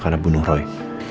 karena bunuh roy